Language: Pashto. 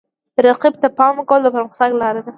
رقیب ته پام کول د پرمختګ لاره ده.